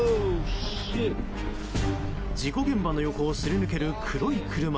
事故現場の横をすり抜ける黒い車。